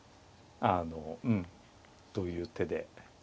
あのうんという手で。